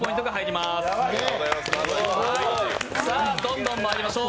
どんどんまいりましょう。